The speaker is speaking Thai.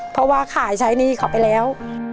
เพราะว่าขายใช้หนี้เขาไปแล้ว